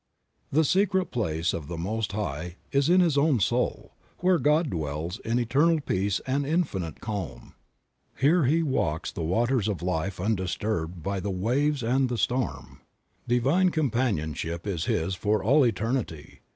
The secret place of the Most High is in his own soul, where God dwells in eternal peace and infinite calm. Here he walks the waters of life undisturbed by the waves and the storm. Divine companionship is his for all eternity.